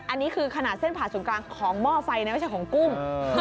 อันนี้คือขนาดเส้นผ่าศูนย์กลางของหม้อไฟนะไม่ใช่ของกุ้ง